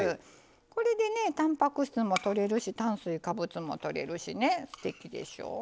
これでねたんぱく質もとれるし炭水化物もとれるしねすてきでしょう。